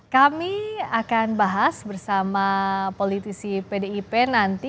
kami akan bahas bersama politisi pdip nanti